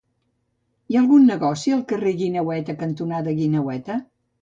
Hi ha algun negoci al carrer Guineueta cantonada Guineueta?